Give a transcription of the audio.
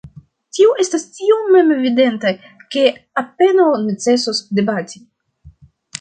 Tio estas tiom memevidenta, ke apenaŭ necesus debati.